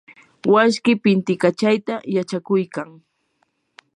washkii pintikachayta yachakuykan.